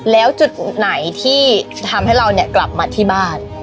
แล้วจุดไหนที่ทำให้เราเนี่ยกลับมาที่บ้าน